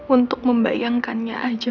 untuk membayangkannya aja